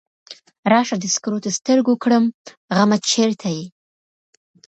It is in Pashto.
راشه د سکروټو سترګو ګرم غمه چرته یې؟